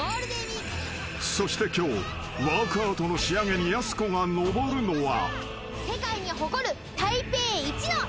［そして今日ワークアウトの仕上げにやす子が上るのは］